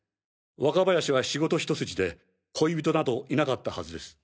若林は仕事一筋で恋人などいなかったはずです。